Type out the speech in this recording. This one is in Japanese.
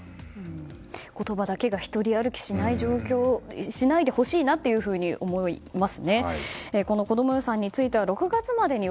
言葉だけが独り歩きしないでほしいなと思います。